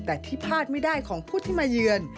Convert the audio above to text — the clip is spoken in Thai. แต่ที่พลาดไม่ได้ของผู้ที่มาเยือน